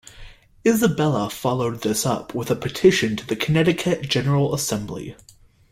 Isabella followed this up with a petition to the Connecticut General Assembly.